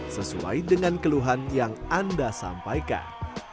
sesuai dengan keluhan yang anda sampaikan